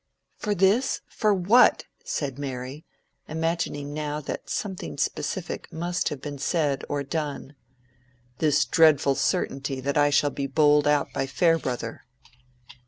"For this? for what?" said Mary, imagining now that something specific must have been said or done. "This dreadful certainty that I shall be bowled out by Farebrother."